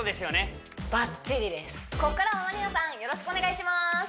よろしくお願いします